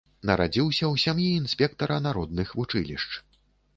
Нарадзіўся ў сям'і інспектара народных вучылішч.